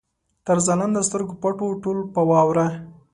تر ځلانده سترګو پټ وو، ټول په واوره